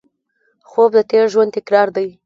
خوب د تېر ژوند تکرار دی